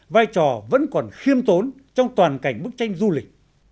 vai trò vẫn còn khiêm tốn trong toàn cảnh bức tranh du lịch